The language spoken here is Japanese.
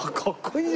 いい！